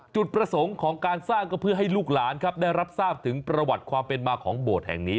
จุดประสงค์ของการสร้างก็เพื่อให้ลูกหลานครับได้รับทราบถึงประวัติความเป็นมาของโบสถ์แห่งนี้